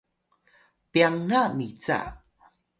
pyanga mica